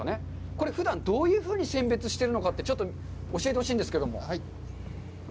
これふだん、どういうふうに選別しているのかというのをちょっと教えてほしいんですけれども。